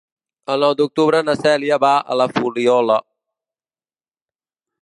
El nou d'octubre na Cèlia va a la Fuliola.